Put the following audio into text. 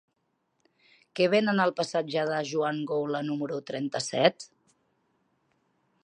Què venen al passatge de Joan Goula número trenta-set?